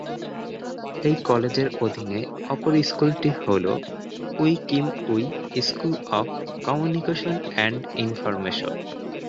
এই কলেজের অধীনে অপর স্কুলটি হল Wee Kim Wee School of Communication and information.